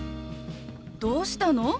どうしたの？